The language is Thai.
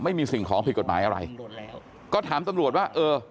ไม่มีสิ่งของผิดกฎหมายอะไรก็ถามตำรวจว่าเออ